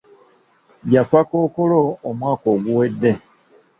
Yafa Kkokolo omwaka oguwedde.